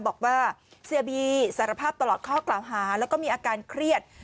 บอกว่าเสียบีสารภาพตลอดข้อกล่าวหาแล้วก็มีอาการเครียด